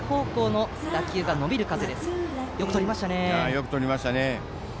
よくとりましたね。